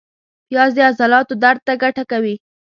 پیاز د عضلاتو درد ته ګټه کوي